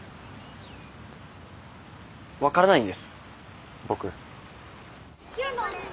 分からないんです僕。